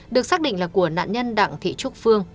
được xác định là của nạn nhân đặng thị trúc phương